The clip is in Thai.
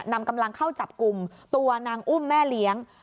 นำกำลังเข้าจับกลุ่มตัวนางอุ้มแม่เลี้ยง